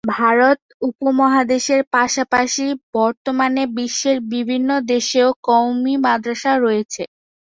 ভারত উপমহাদেশের পাশাপাশি বর্তমানে বিশ্বের বিভিন্ন দেশেও কওমি মাদ্রাসা রয়েছে।